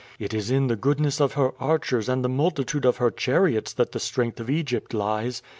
It is in the goodness of her archers and the multitude of her chariots that the strength of Egypt lies.